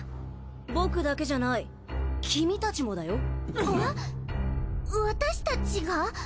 「僕」だけじゃないキミたちもだよ私たちが？